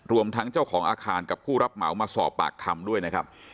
รวมทั้งเจ้าของอาคารกับผู้รับเหมามาสอบปากคำด้วยนะครับ